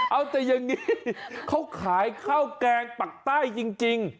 เอาแต่อย่างนี้เขาขายข้าวแกงปักใต้จริง